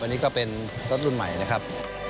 อันนี้ก็เป็นรถรุ่นใหม่นะครับ